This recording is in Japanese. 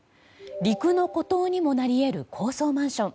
陸の孤島にもなりうる高層マンション。